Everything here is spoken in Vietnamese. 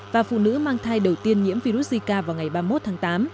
và phụ nữ mang thai đầu tiên nhiễm virus zika vào ngày ba mươi một tháng tám